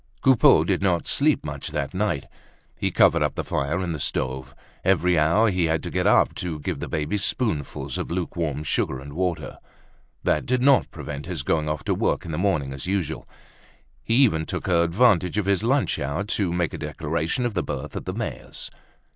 Coupeau did not sleep much that night. He covered up the fire in the stove. Every hour he had to get up to give the baby spoonfuls of lukewarm sugar and water. That did not prevent his going off to his work in the morning as usual. He even took advantage of his lunch hour to make a declaration of the birth at the mayor's.